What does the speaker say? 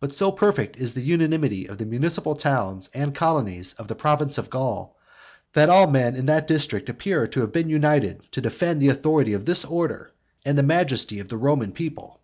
But so perfect is the unanimity of the municipal towns and colonies of the province of Gaul, that all men in that district appear to have united together to defend the authority of this order, and the majesty of the Roman people.